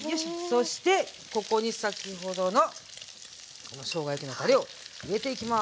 そしてここに先ほどのこのしょうが焼きのたれを入れていきます。